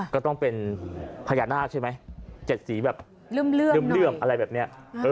ก็ต้องเป็นพญานาคใช่ไหม๗สีแบบเลื่อมอะไรแบบนี้